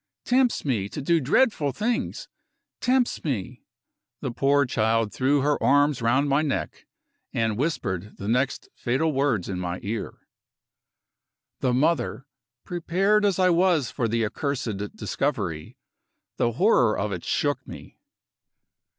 Tempts me to do dreadful things! Tempts me " The poor child threw her arms round my neck, and whispered the next fatal words in my ear. The mother! Prepared as I was for the accursed discovery, the horror of it shook me.